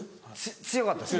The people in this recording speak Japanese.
強かったです。